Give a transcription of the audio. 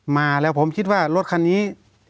มาแล้วผมคิดว่ารถคันนี้